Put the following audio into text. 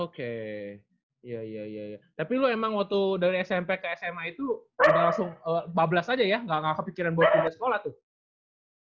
oke iya iya tapi lu emang waktu dari smp ke sma itu sudah langsung bablas aja ya nggak kepikiran buat pindah sekolah tuh